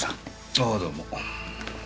ああどうも。